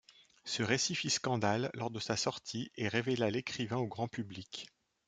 Ce récit fit scandale lors de sa sortie et révéla l’écrivain au grand public.